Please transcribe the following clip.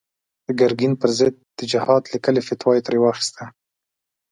د ګرګين پر ضد د جهاد ليکلې فتوا يې ترې واخيسته.